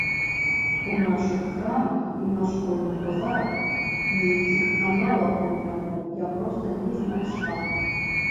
У нашых крамах і на школьных базарах нейкіх аналагаў яму я проста не знайшла.